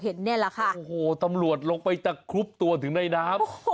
โอ้โหตำรวจลงไปจากครุบตัวถึงในน้ำ